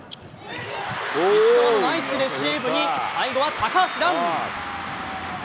石川のナイスレシーブに、最後は高橋藍。